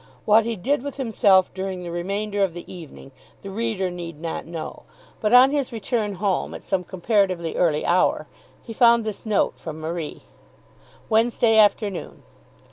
What he did with himself during the remainder of the evening the reader need not know, but on his return home at some comparatively early hour, he found this note from Marie. Wednesday Afternoon.